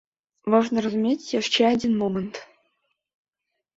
Важна разумець яшчэ адзін момант.